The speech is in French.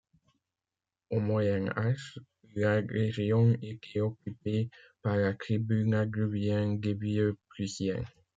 Au Moyen Âge, la région était occupée par la tribu nadruvienne des Vieux Prussiens.